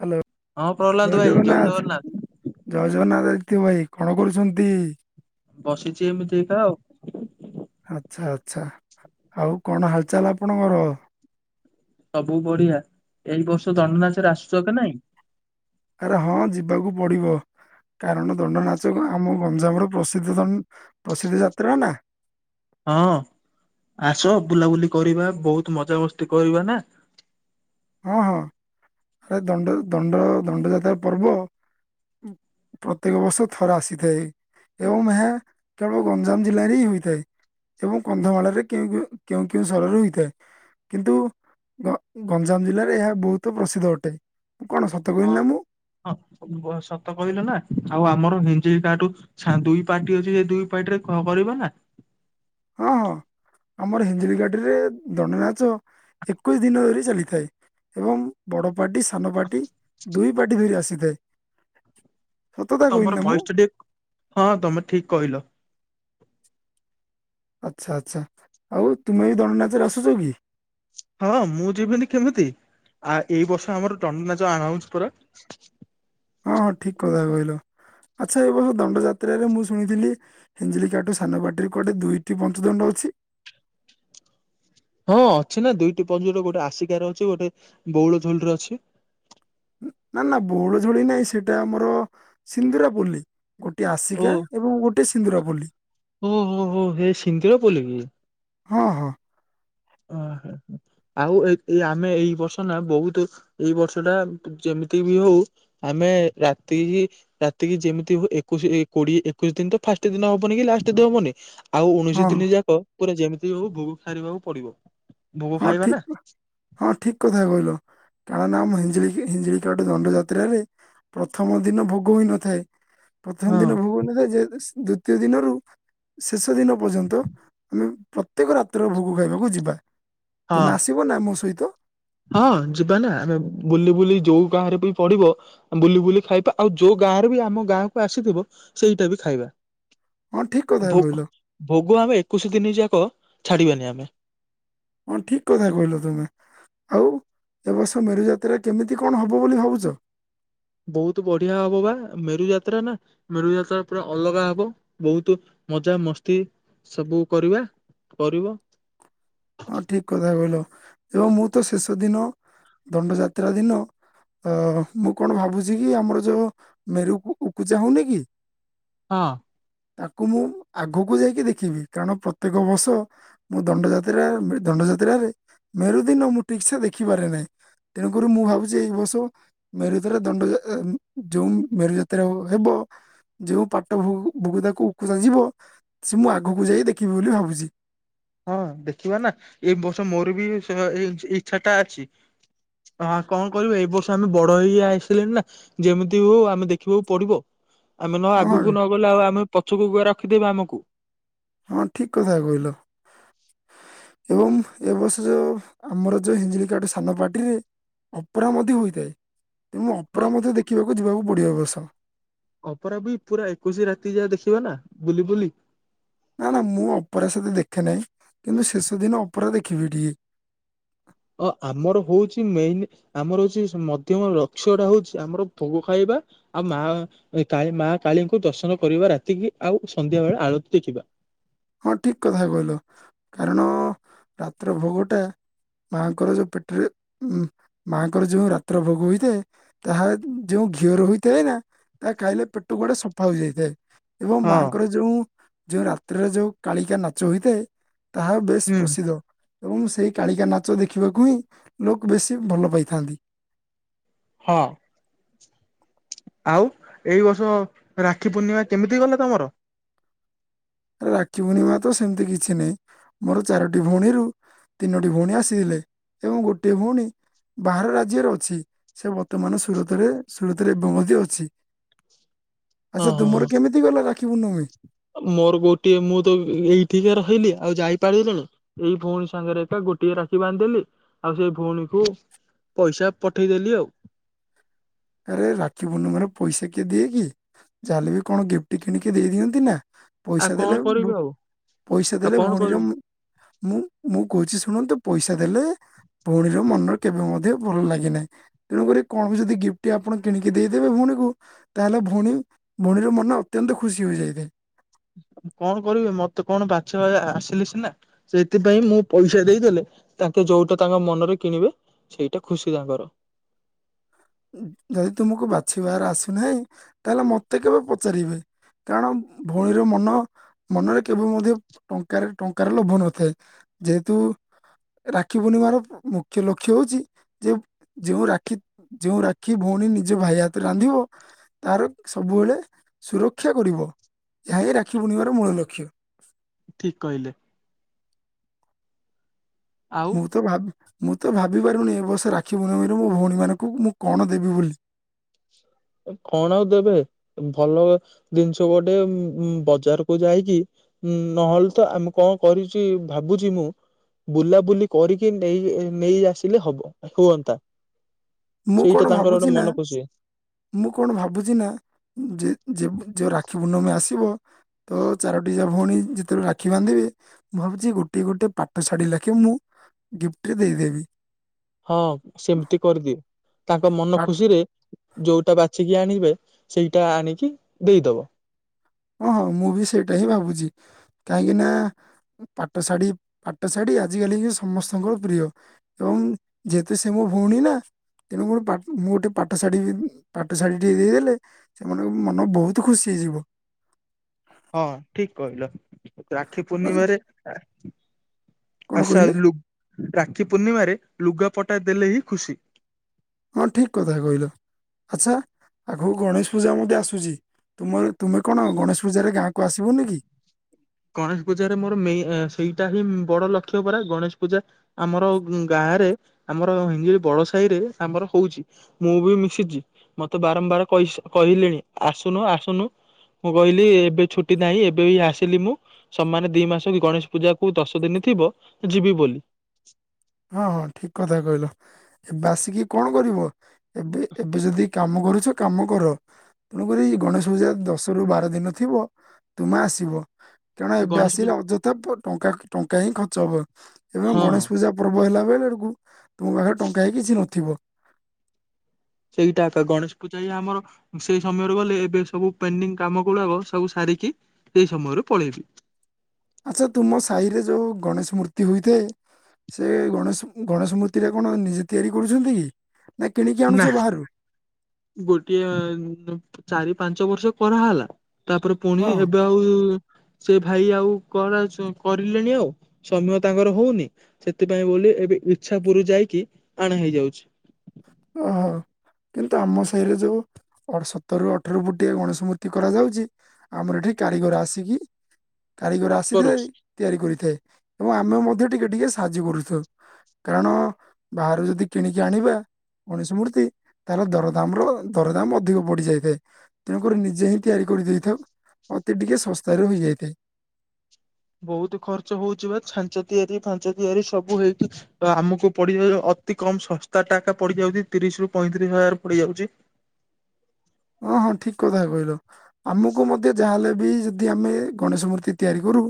Hello ହଁ ପ୍ରହ୍ଲାଦ ଜୟ ଭାଇ ଜଗନ୍ନାଥ ଜୟ ଜଗନ୍ନାଥ। ଭାଇ କଣ କରୁଛନ୍ତି? ବସିଛି ଏମିତିକା ଆଉ। ଆଚ୍ଛା ଆଚ୍ଛା ଆଉ କଣ ହାଲଚାଲ ଆପଣଙ୍କର? ସବୁ ବଢିଆ ଏଇ ବର୍ଷ ଦଣ୍ଡନାଚରେ ଆସୁଛ କେ ନାଇଁ? ଆରେ ହଁ ଯିବାକୁ ପଡିବ। କାରଣ ଦଣ୍ଡ ନାଚ ଆମ ଗଞ୍ଜାମର ପ୍ରସିଦ୍ଧ ପ୍ରସିଦ୍ଧ ଯାତ୍ରା ନା? ହଁ। ଆସ ବୁଲାବୁଲି କରିବା ବହୁତ ମଜା ମସ୍ତି କରିବା ନା। ହଁ ହଁ ଆରେ ଦଣ୍ଡ ଦଣ୍ଡ ଦଣ୍ଡଯାତ୍ରା ପର୍ବ। ପ୍ରତ୍ୟେକ ବର୍ଷ ଥରେ ଆସିଥାଏ ଏବଂ ଏହା କେବଳ ଗଞ୍ଜାମ ଜିଲ୍ଲାରେ ହି ହୋଇଥାଏ। ଏବଂ କନ୍ଧମାଳରେ କେ କେଉଁ କେଉଁ ସରରେ ହୋଇଥାଏ କିନ୍ତୁ ଗଞ୍ଜାମ ଜିଲ୍ଲାରେ ଏହା ବହୁତ ପ୍ରସିଦ୍ଧ ଅଟେ। କଣ ସତ କହିଲି ନା ମୁଁ ହଁ ହଁ ସତ କହିଲୁ ନା? ଆଉ ଆମର ହିଞ୍ଜି କାଠୁ ଦୁଇ ପାର୍ଟି ଅଛି ସେ ଦୁଇ ପାର୍ଟି ରେ କରିବ ନା? ହଁ ହଁ। ଆମର ହିଞ୍ଜୁଳି ଗାଟିରେ ଦଣ୍ଡନାଚ ଏକୋଇଶି ଦିନ ଧରି ଚାଲିଥାଏ। ଏବଂ ବଡ ପାର୍ଟି ସାନ ପାର୍ଟି ଦୁଇ ପାର୍ଟି ଧରି ଆସିଥାଏ। ସତତା କହିଲି ତମର ନା ମୁଁ ଭୟସ ଟା ଟିକେ ହଁ ତମେ ଠିକ କହିଲ। ଆଚ୍ଛା ଆଚ୍ଛା ଆଉ ତୁମେ ବି ଦଣ୍ଡନାଚରେ ଆସୁଛ କି? ହଁ ମୁଁ ଯିବିନି କେମିତି। ଆ ଏଇ ବର୍ଷ ଆମର ଦଣ୍ଡ ନାଚ ଆନାଉସୁ ପରା। ହଁ ଠିକ କଥା କହିଲ। ଆଚ୍ଛା ଏ ବର୍ଷ ଦଣ୍ଡଯାତ୍ରାରେ ମୁଁ ଶୁଣିଥିଲି ହିଞ୍ଜିଲିକାଠୁ ସାନ ବାଟିରୁ କଆଟେ ଦୁଇଟି ପଞ୍ଚଦଣ୍ଡ ଅଛି। [inaudible] ହଁ ଅଛି ନା ଦୁଇଟି ପ୍ଜର [unintelligible] ଗୋଟେ ଆସିକା ର ଅଛି ଗୋଟେ ବଉଳ ଝୋଲରେ ଅଛି। ନା ନା ବଉଳ ଝଳି ନହିଁ ସେଇଟା ଆମର ସିନ୍ଦୁରାପଲ୍ଲୀ। ଗୋଟେ ଆସିକା ଏବଂ ଗୋଟେ ସିନ୍ଦୁରାପଲ୍ଲି। ଓ ହୋ ହୋ ହେ ସିନ୍ଦୁର ପଲ୍ଲୀ କି? ହଁ ହଁ। ଆହା ଆଉ ଏ ଏ ଆମେ ଏଇ ବର୍ଷ ନା ବହୁତୁ ଏଇ ବର୍ଷ ଟା ଯେମ ଯେମିତି ବି ହଉ ଆମେ ରାତିକି ରାତିକି ଯେମିତି ହଉ ଏକୋଇଶି କୋଡିଏ ଏକୋଇଶି ଦିନ ତ ଫାଷ୍ଟ ଦିନ ହବନି କି ଲାଷ୍ଟ ଦିନ ହବନି ଆଉ ଉଣେଇଶି ହଁ ଦିନ ଯାକ ପୁରା ଯେମିତି ହଉ ଭୋଗ ସାରିବାକୁ ପଡିବ। ଭୋଗ ହଁ ଖାଇବା ନା ଠିକ ହଁ ଠିକ କଥା କହିଲ। କାରଣ ଆମ ହ ହିଞ୍ଜିଳିିକାଟ ଦଣ୍ଡ ଯାତ୍ରାରେ ପ୍ରଥମ ଦିନ ଭୋଗ ହୋଇନଥାଏ। ପ୍ରଥମ ହଁ ଦିନ ଭବନି ରେ ଦ୍ଵିତୀୟ ଦିନରୁ ଶେଷ ଦିନ ପର୍ଯ୍ୟନ୍ତ ଆମେ ପ୍ରତ୍ୟେକ ରାତ୍ର ଭୋଗ ଖାଇବାକୁ ଯିବା। ହଁ ତମେ ଆସିବ ନା ମୋ ସହିତ? ହଁ ଯିବା ନା ଆମେ ବୁଲି ବୁଲି ଯୋଉ ଗାରେ ବି ପଡିବ ବୁଲି ବୁଲି ଖାଇବା ଆଉ ଯୋଉ ଗାଁରୁ ବି ଆମ ଗାଁକୁ ଆସିଥିବ ସେଇଟା ବି ଖାଇବା। ହଁ ଠିକ କଥା ଭୋ କହିଲ ଭୋଗ ଆମେ ଏକୋଇଶ ଦିନ ଯାକ ଛାଡିବାନି ଆମେ ହଁ ଠିକ କଥା କହିଲ ତୁମେ। ଆଉ ଏ ବର୍ଷ ମେରୁଜାତ୍ରାରେ କେମିତି କଣ ହବ ବୋଲି ଭାବୁଛ? ବହୁତୁ ବଢିଆ ହବ ବା ମେରୁ ଯାତ୍ରା ନା ମେରୁ ଯାତ୍ରା ପୁରା ଅଲଗା ହବ ବହୁତୁ ମଜା ମସ୍ତି ସବୁ କରିବା କରିବ। ହଁ ଠିକ କଥା କହିଲ ଏବଂ ମୁଁ ତ ଶେଷ ଦିନ ଦଣ୍ଡ ଯାତ୍ରା ଦିନ ଅ ମୁଁ କଣ ଭାବୁଛି କି ଆମର ଯୋଉ ମେରୁ ଉ ପୂଜା ହଉନି କି ହଁ। ତାକୁ ମୁଁ ଆଗକୁ ଯାଇକି ଦେଖିବି କାରଣ ପ୍ରତ୍ୟେକ ବର୍ଷ ମୁଁ ଦଣ୍ଡ ଜାତ ତ୍ରା ଦଣ୍ଡ ଯାତ୍ରାରେ ମେରୁଦିନ ମୁଁ ଠିକ ସେ ଦେଖିପାରେ ନାହିଁ। ତେଣୁକରି ମୁଁ ଭାବୁଛି ଏଇ ବର୍ଷ ମେରୁଦରେ ଦଣ୍ଡ ଯୋଉ ମେରୁଯାତ୍ରା ହେବ ଯୋଉ ପାଟ ଭୁ ଭୁଗୁଦାକୁ ଉକୁଜା ଯିବ ସେ ମୁଁ ଆଗକୁ ଯାଇ ଦେଖିବି ବୋଲି ଭାବୁଛି। ହଁ ଦେଖିବା ନା ଏଇ ବର୍ଷ ମୋର ବି ସେ ଇଛାଟା ଅଛି। ହଁ କଣ କରିବ ଏଇ ବର୍ଷ ଆମେ ବଡ ହେଇ ଆସିଲଣି ନା ଯେମିତି ହଉ ଆମେ ଦେଖିବାକୁ ପଡିବ। ଆମେ ନ ହଁ ଆଗକୁ ନ ଗଲେ ଆଉ ଆମେ ପଛକୁ ଗ ରଖିଦେବା ଆମକୁ। ହଁ ଠିକ କଥା କହିଲ। ଏବଂ ଏ ବର୍ଷ ଯୋଉ ଆମର ଯୋଉ ହିଞ୍ଜିଡିକାଠ ସାନ ପାଟିରେ ଅପେରା ମଧ୍ୟ ହୋଇଥାଏ। ତେଣୁ ହଁ ଅପେରା ମଧ୍ୟ ଦେଖିବାକୁ ଯିବାକୁ ପଡିବ ଏ ବର୍ଷ। ଅପେରା ବି ପୁରା ଏକୋଇଶି ରାତି ଯାହା ଦେଖିବା ନା ବୁଲି ବୁଲି। ନା ନା ମୁଁ ଅପେରା ସତେ ଦେଖେ ନାହିଁ କିନ୍ତୁ ଶେଷ ଦିନ ଅପରା ଦେଖିବି ଟିକେ। ଅ ଆମର ହଉଛି ମେନ ଆମର ହଉଛି ମଧ୍ୟମ ଲକ୍ଷ୍ୟ ଟା ହଉଛି ଆମର ଭୋଗ ଖାଇବ ବା ଆଉ ମା କାଳି ମାକାଳୀଙ୍କୁ ଦର୍ଶନ କରିବା ରାତିକି ଆଉ ସନ୍ଧ୍ୟା ବେଳେ ଆଳତି ଦେଖିବା। ହଁ ଠିକ କଥା କଲ କାରଣ ରାତ୍ର ଭୋଗଟା। ମାଙ୍କର ଯୋଉ ପେଟରେ ଉ ମାଙ୍କର ଯୋଉ ରାତ୍ର ଭୋଗ ହୋଇଥାଏ ତାହା ଯେଉଁ ଘିଅର ହୋଇଥାଏ ନା ତା ଖାଇଲେ ପେଟ ଗୁଡେ ସଫା ହୋଇଯାଇଥାଏ। ଏବଂ ହଁ ମାଙ୍କର ଯୋଉ ଯୋଉ ରାତ୍ରିରେ ଯୋଉ କାଳିକା ନାଚ ହୋଇଥାଏ। ତାହା ବେଶ୍ ହୁଁ ପ୍ରସିଦ୍ଧ। ଏବଂ ସେଇ କାଳିକା ନାଚ ଦେଖିବାକୁ ହିଁ ଲୋକ ବେଶୀ ଭଲ ପାଇଥାନ୍ତି। ହଁ ଆଉ ଏଇ ବର୍ଷ ରାକ୍ଷୀ ପୂର୍ଣ୍ଣିମା କେମିତି ଗଲା ତମର? ରାକ୍ଷୀ ବୂଣ୍ଣିମା ତ ସେମିତି କିଛି ନାହିଁ ମୋର ଚାରୋଟି ଭଉଣୀରୁ ତିନୋଟି ଭଉଣୀ ଆସିଥିଲେ ଏବଂ ଗୋଟିଏ ଭଉଣୀ ବାହାର ରାଜ୍ୟରେ ଅଛି ସେ ବର୍ତ୍ତମାନ ସୁରତରେ ସୁରତରେ ଏବ ମଧ୍ୟ ଅଛି। ଆଚ୍ଛା ହଁ ତୁମର କେମିତି ଗଲା ରାଖୀ ପୁର୍ଣ୍ଣମୀ? ମୋର ଗୋଟିଏ ମୁଁ ତ ଏଇଠିକା ରହିଲି ଆଉ ଯାଇପାରିଲିଣି ଏଇ ଭଉଣୀ ସାଙ୍ଗରେ ଏକା ଗୋଟିଏ ରାକ୍ଷୀ ବାନ୍ଧିଦେଲି ଆଉ ସେଇ ଭଉଣୀକୁ ପଇସା ପଠେଇଦେଲି ଆଉ। [inaudible] ଆରେ ରାକ୍ଷୀ ପୂର୍ଣ୍ଣିମା ରେ ପଇସା କିଏ ଦିଏ କି ଯାହାେଲେବି କଣ ଗିଫ୍ଟ କିଣିକି ଦେଇଦିଅନ୍ତି ନା। ଆଉ ପଇସା କଣ ଦେଲେ ଭୋ କରିବି ଆଉ ପଇସା ଆଉ ଦେଲେ କଣ ଭଉଣୀର କରିବି। ମୁଁ ମୁଁ କହୁଛି ଶୁଣନ୍ତୁ ପଇସା ଦେଲେ ଭଉଣୀର ମନ କେବେ ମଧ୍ୟ ଭଲ ଲାଗିନାହିଁ ତେଣୁକରି କଣ ବି ଯଦି ଗିଫ୍ଟ ଟି ଆପଣ କିଣିକି ଦେଇଦେବେ ଭଉଣୀକୁ ତାହେଲେ ଭଉଣୀ ଭଉଣୀର ମନ ଅତ୍ୟନ୍ତ ଖୁସି ହେଯାଇଥାଏ। ହୁଁ କଣ କରିବେ ମତେ କଣ ବାଛ ଆ ଆସିଲେ ସିନା ସେଇଥିପାଇଁ ମୁଁ ପଇସା ଦେଇଦେଲେ ତା ଯୋଉଟା ତାଙ୍କ ମନରେ କିଣିବେ ସେଇଟା ଖୁସି ତାଙ୍କର। ଯଦି ତୁମକୁ ବାଛିବାର ଆସୁନାହିଁ ତାହେଲେ ମତେ କେବେ ପଚାରିବେ କାରଣ ଭଉଣୀର ମନ ମନରେ କେବେ ମଧ୍ୟ ଟଙ୍କାରେ ଟଙ୍କାର ଲୋଭ ନଥାଏ। ଯେହେତୁ ରାକ୍ଷୀ ପୂର୍ଣ୍ଣିମାର ମୁଖ୍ୟ ଲକ୍ଷ୍ୟ ହଉଛି ଯେ ଯୋଉ ରାକ୍ଷୀ ଯେଉଁ ରାକ୍ଷୀ ଭଉଣୀ ନିଜ ଭାଇ ହାତ ରାନ୍ଧିବ ତାର ସବୁବେଳେ ସୁରକ୍ଷା କରିବ। ଏହା ହିଁ ରାକ୍ଷୀ ପୂଣ୍ଣିବାର ମୂଳ ଲକ୍ଷ୍ୟ। ଠିକ କହିଲେ। ଆଉ ମୁଁ ତ ଭାବି ମୁଁ ତ ଭାବି ପାରୁନି ଏ ବର୍ଷ ରାକ୍ଷୀ ପୂର୍ଣ୍ଣମୀରେ ମୋ ଭଉଣୀମାନଙ୍କୁ ମୁଁ କଣ ଦେବି ବୋଲି କଣ ଆଉ ଦେବେ ଭଲ ଜିନିଷ ଗୋଟେ ବଜାରକୁୁ ଯାଇକି ହୁଁ ନହେଲେ ତ ଆମେ କଣ କରିଚି ଭାବୁଛି ମୁଁ ବୁଲାବୁଲି କରିକି ନେଇ ନେଇ ଆସିଲେ ହବ ହୁଅନ୍ତା। ମୁଁ କଣ ସେଇଟା ତାଙ୍କର ଭାବୁଛି ଗୋଟେ ନା ମନ ଖୁସି। ମୁଁ କଣ ଭାବୁଛି ନା ଯେ ଯୋ ଯୋଉ ରାକ୍ଷୀ ପର୍ଣ୍ଣିମି ଆସେ ଆସିବ ତ ଚାରୋଟି ଯା ଭଉଣୀ ଯେତେବେଳେ ରାକ୍ଷୀ ବାନ୍ଧିବେ ମୁଁ ଭାବୁଛି ଗୋଟେ ଗୋଟେ ପାଟ ଶାଢ଼ୀ ରାକ୍ଷୀ ରେ ମୁଁ ଗିଫ୍ଟରେ ଦେଇଦେବି। ହଁ ସେମିତି କରିଦିଅ ତାଙ୍କ ମନ ପା- ଖୁସିରେ ଯୋଉଟା ବାଛିିକି ଆଣିବେ ସେଇଟା ଆଣିକି ଦେଇଦବ। ହଁ ହଁ ମୁଁ ବି ସେଇଟା ହିଁ ଭାବୁଛି କାହିଁକି ନା ପାଟ ଶାଢୀ ପାଟ ଶାଢୀ ହିଁ ଆଜି କାଲି ହିଁ ସମସ୍ତଙ୍କର ପ୍ରିୟ ଏବଂ ଯେହେତୁ ସେ ମୋ ଭଉଣୀ ନା ତେଣୁ ଗୋଟେ ପା ମୁଁ ଗୋଟେ ପାଟଶାଢୀ ପାଟଶାଢୀ ଟିଏ ଦେଇଦେଲେ ସେମାନଙ୍କ ମନ ବହୁତ ଖୁସିହେଇ ଯିବ। ହଁ ଠିକ କହିଲ ରାକ୍ଷୀ ଆଚ୍ଛା, ପୂର୍ଣ୍ଣିମାରେ କଣ ଆଶା କହିଲେ ରାକ୍ଷୀ ପୂର୍ଣ୍ଣିମାରେ ଲୁଗା ପଟା ଦେଲେ ହିଁ ଖୁସି। ହଁ ଠିକ କଥା କହିଲ ଆଛା ଆଗକୁ ଗଣେଶ ପୂଜା ମଧ୍ୟ ଆସୁଛି। ମୁଁ କହିଲି ତୁମେ କଣ ଗଣେଶ ପୂଜାରେ ଗାଁକୁ ଆସିବୁନି କି? ଗଣେଶ ପୂଜାରେ ମୋର ମେଇ ସେଇଟା ହିଁ ବଡ ଲକ୍ଷ୍ୟ ପରା ଗଣେଶ ପୂଜା ଆମର ଗାଁ ରେ ଆମର ହିଙ୍ଗଳି ବଡ ସାହି ରେ ଆମର ହଉଛି ମୁଁ ବି ମିଶିଛି ମତେ ବାରମ୍ବାର କହିସ କହିଲେଣି ଆସୁନୁ ଆସୁନୁ ମୁଁ କହିଲି ଏବେ ଛୁଟି ନାହିଁ ଏବେ ବି ଆସିଲି ମୁଁ ସମାନେ ଦି ମାସକୁ ଗଣେଶ ପୂଜାକୁ ଦଶ ଦିନ ଥିବ ଯିବି ବୋଲି ହଁ ହଁ ଠିକ କଥା କହିଲ ଏବେ ଆସିକି କଣ କରିବ ଏବେ ଏବେ ଯଦି କାମ କରୁଛ କାମ କର ତେଣୁକରି ଗଣେଶ ପୂଜା ଦଶ ର ବାର ଦିନ ଥିବ ତୁମେ ଆସିବ? କାରଣ ଏବେ ଗଣେଶ ଆସିଲେ ପୂଜା ଅଯଥା ଟଙ୍କା ଟଙ୍କା, ହିଁ ଖର୍ଚ୍ଚ ହବ ଏବଂ ହଁ ଗଣେଶ ପୂଜା କହିଲା ବେଳେ ଆଡକୁ ତୁମ ପାଖରେ ଟଙ୍କା ହେ କିଛି ନଥିବ। ସେଇଟା ଗଣେଶ ପୂଜା ଇ ଆମର ସେଇ ସମୟରେ ଗଲେ ଏବେ ସବୁ ପେଣ୍ଡିଙ୍ଗ କାମ ଗୁଡାକ ସବୁ ସ କି ଏଇ ସମୟରୁ ପଳେଇବି। ଆଚ୍ଛା ତୁମ ସାହିରେ ଯୋଉ ଗଣେଶ ମୂର୍ତ୍ତି ହୋଇଥାଏ ସେ ଗଣେଶ ଗଣେଶ ମୂର୍ତ୍ତି ଟା କଣ ନିଜେ ତିଆରି କରୁଛନ୍ତି କି? ନାଇ କିଣିକି ନା ଆଣୁଛ ବାହାରୁ ଗୋଟିଏ ଚାରି ପାଞ୍ଚ ବର୍ଷ କରାହେଲା ତାପରେ ପୁଣି ହଁ ଏବେ ଆଉ ସେ ଭାଇ ଆଉ କର କରିଲେଣି ଆଉ ସମୟ ତାଙ୍କର ହଉନି ସେଥିପାଇଁ ବୋଲି ଏବେ ଇଚ୍ଛା ପୁର ଯାଇକି ଆଣା ହେଇଯାଉଛି। ଓ ହୋ। କିନ୍ତୁ ଆମ ସେହିରେ ଯୋଉ ଅ ସତରରୁ ଅଠର ଫୋଟିଏ ଗଣେଶ ମୂର୍ତ୍ତି କରାଯାଉଛି ଆମର ଏଠି କାରିଗର ଆସିକି [inaudible] କାରିଗର ଆସିଥାଏ କରୁଛି ତିଆରି କରିଥାଏ, ଏବଂ ଆମେ ମଧ୍ୟ ଟିକେ ଟିକେ ସାହାଯ୍ୟ କରୁଛୁ। କାରଣ ବାହାରୁ ଯଦି କିଣିକି ଆଣିବା ଗଣେଶ ମୂର୍ତ୍ତି ତାହେଲେ ଦରଦାମ ର ଦରଦାମ ଅଧିକ ବଢି ଯାଇଥାଏ ତେଣୁକରି ନିଜେ ହିଁ ତିଆରି କରି ଦେଇଥାଉ ମତେ ଟିକେ ଶସ୍ତାରେ ହେଯାଇଥାଏ। ବହୁତ ଖର୍ଚ୍ଚ ହଉଛି ବା ଛାଞ୍ଚ ତିଆରି ଫାଞ୍ଚ ତିଆରି, ସବୁ ହେଇକି ଆମକୁ ପଡିବ ଅତି କମ ଶସ୍ତା ଟା ପଡିଯାଉଛି ତିରିଶ ରରୁ ପଇଁତିରିଶ ହଜାର ପଡିଯାଉଛି। ହଁ ହଁ ଠିକ କଥା କହିଲ ଆମକୁ ମଧ୍ୟ ଯାହାହେଲେ ବି ଯଦି ଆମେ ଗଣେଶ ମୂର୍ତ୍ତି ତିଆରି କରୁ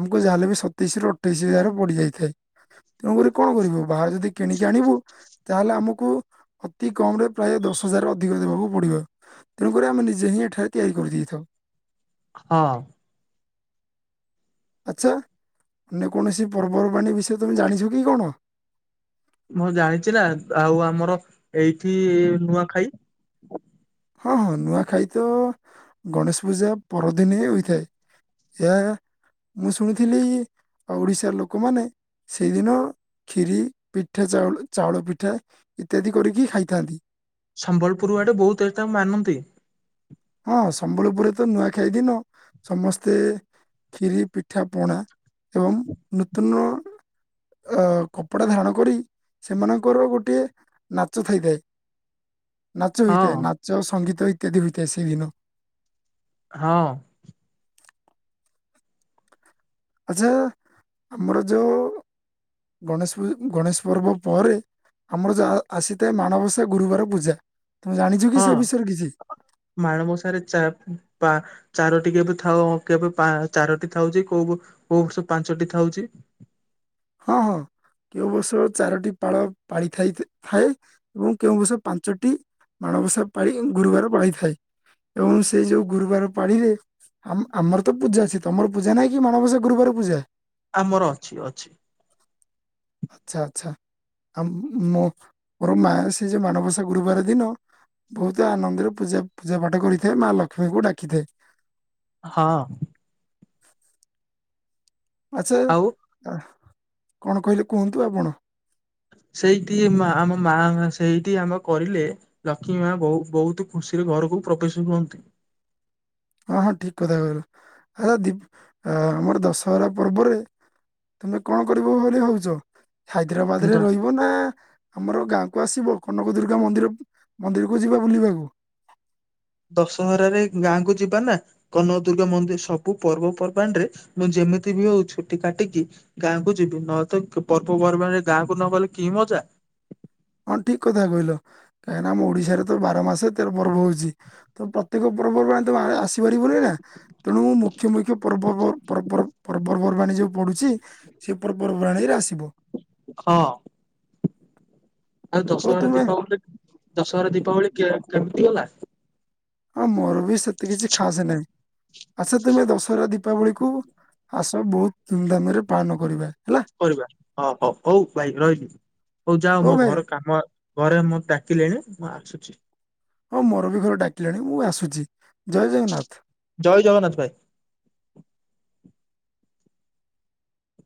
ଆମକୁ ଯାହାେଲେ ବି ସତେଇଶି ରୁ ଅଠେଇଶିର ପଡିଯାଇଥାଏ। ତେଣୁକରି କଣ କରିବୁ ବାହାରେ ଯଦି କିଣିକି ଆଣିବୁ ତାହେଲେ ଆମକୁ ଅତି କମ ରେ ପ୍ରାୟ ଦଶ ହଜାର ଅଧିକ ଦେବାକୁ ପଡିବ। ତେଣୁକରି ଆମେ ନିଜେ ହିଁ ଏଠାରେ ତିଆରି କରିଦେଇଥାଉ। ହଁ। ଆଚଛା ଅନ୍ୟ କୌଣସି ପର୍ବପର୍ବାଣୀ ବିଷୟରେ ତମେ ଜାଣିଛ କି କଣ? ମୁଁ ଜାଣିଛି ନା ଆଉ ଆମର ଏଇଠି ନୂଆଖାଇ ହଁ ହଁ ନୂଆଖାଇ ତ ଗଣେଶ ପୂଜା ପରଦିନେ ହୋଇଥାଏ। ଏ ମୁଁ ଶୁଣିଥିଲି ଆଉ ଓଡିଶାର ଲୋକମାନେ ସେଇଦିନ କ୍ଷୀରି ପିଠା ଚାଉଳ ପିଠା ଇତ୍ୟାଦି କରିକି ଖାଇଥାନ୍ତି। ସମ୍ବଲପୁର ଆଡେ ବହୁତ ଏ ତାଙ୍କୁ ମାନନ୍ତି ହଁ ସମ୍ବଲପୁରରେ ତ ନୂଆଖାଇଦିନ ସମସ୍ତେ ଖ୍ଷିରି ପିଠା ପଣା ଏବଂ ନୂତନ ଅ କପଡ଼ା ଧାରଣ କରି ସେମାନଙ୍କର ଗୋଟିଏ ନାଚ ଥାଇଥାଏ ନାଚ ହୋଇଥାଏ ହଁ ନାଚ ସଙ୍ଗୀତ ଇତ୍ୟାଦି ହୋଇଥାଏ ସେଦିନ ହଁ। ଆଚ୍ଛା ଆମର ଯୋଉ ଗଣେଶ ପୂ ଗଣେଶ ପର୍ବ ପରେ ଆମର ଯଉ ଆସିଥାଏ ମାଣବସା ଗୁରୁବାର ପୂଜା ତମେ ଜାଣିଛ କି ହଁ ସେ ବିଷୟରେ କିଛି ମାଣବ ସାରେ ଚା ଚାରୋଟି କେବେ ଥାଉ କେବେ ଚାରୋଟି ଥାଉଛି କୋଉ କୋଉ ସବୁ ପାଞ୍ଚଟି ଥାଉଛି ହଁ ହଁ। କେଉଁ ବର୍ଷ ଚାରୋଟି ପାଳ ପାଳି ଥାଏ, ଏବଂ କେଉଁ ବର୍ଷ ପାଞ୍ଚଟି ମାଣବସା ପାଳି ଗୁରୁବାର ପାଳିଥାଏ, ଏବଂ ସେ ଯୋଉ ଗୁରୁବାର ପାଳିରେ ଆମ ଆମର ତ ପୂଜା ଅଛି, ତମର ପୂଜା ନାହିଁ କି ମାନବସା ଗୁରୁବାର ପୂଜା? ଆମର ଅଛି ଅଛି। ଆଛା ଆଚ୍ଛା। ଆ ମୋ ମୋର ମା ସେ ଯେ ମାଣବସା ଗୁରୁବାର ଦିନ ବହୁତ ଆନନ୍ଦରେ ପୂଜା ପୂଜା ପାଠ କରିଥାଏ, ମା ଲକ୍ଷ୍ମୀଙ୍କୁ ଡାକିଥାଏ। ହଁ। ଆଚ୍ଛା ଆଉ କଣ କହିଲେ, କୁହନ୍ତୁ ଆଉ କଣ? ସେଇଠି ଆମ ମା ସେଇଠି ଆମ କରିଲେ, ଲକ୍ଷ୍ମୀ ମା ବହୁତ ଖୁ ଆସିବେ ଘରକୁ [unintelligible] ହଁ- ହଁ ଠିକ କଥା କହିଲ। ଆ ଦୀପ ଆମର ଦଶହରା ପର୍ବରେ ତମେ କଣ କରିବ ବୋଲି ଭାବୁଛ? ତ ହାଇଦ୍ରାବାଦରେ ରହିବ ନା ଆମର ଗାଁ କୁ ଆସିବ, କନକ ଦୁର୍ଗା ମନ୍ଦିର ମନ୍ଦିରକୁ ଯିବା ବୁଲିବାକୁ। ଦଶହରାରେ ଗାଁକୁ ଯିବା ନା, କନକ ଦୁର୍ଗା ମନ୍ଦିର ସବୁ ପର୍ବପର୍ବାଣିରେ ମୁଁ ଯେ ମିତି ବି ହଉ ଛୁଟି କାଟିକି ଗାଁକୁ ଯିବି, ନହେଲେ ତ ପର୍ବପର୍ବାଣିରେ ଗାଁକୁ ନ ଗଲେ କି ମଜା। ହଁ ଠିକ କଥା କହିଲ, କାହିଁକିନା ଆମ ଓଡିଶାରେ ତ ବାର ମାସ ତେର ପର୍ବ ହଉଛି ତ ପ୍ରତ୍ୟେକ ପର୍ବାଣୀ ଆସିପାରିବନି ନା ତେଣୁ ମୁଖ୍ୟ ମୁଖ୍ୟ ପର୍ବ ପର୍ବର ପର୍ବ [unintelligible] ପର୍ବାଣୀ ଯୋଉ ପଡୁଛି, ସେଇ ପର୍ବପର୍ବାଣିୀରେ ଆସିବ। ହଁ। ଆଉ ହଉ ଦଶହରା ତୁମେ ଦୀପାବଳି ଦଶହରା ଦୀପାବଳି କେ କେମିତି ଗଲା? ହଁ ମୋର ବି ସେତେ କିଛି ଖାସ ନାହିଁ, ଆସ ତମେ ଦଶହରା ଦୀପାବଳି କୁ ଆସ ବହୁତ ଧୁମଧାମରେ ପାଳନ କରିବା। ହେଲା କରିବା ହ- ହ ହଉ ଭାଇ ରହିଲି। ହଉ ଯାଅ, ମୋ ଘର କାମ ଘରେ ମତେ ଡାକିଲେଣି ମୁଁ ଆସୁଛି। ହଁ ମୋର ବି ଘରେ ଡାକିଲେଣି, ମୁଁ ଆସୁଛି ଜୟ ଜଗନ୍ନାଥ। ଜୟ ଜଗନ୍ନାଥ ଭାଇ।